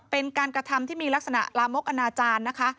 เป็นการกระทำที่มีลักษณะลามกอนาจารย์นะคะ